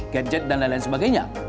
gadget dan lain lain sebagainya